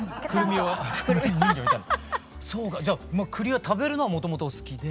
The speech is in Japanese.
じゃあ栗は食べるのはもともとお好きで。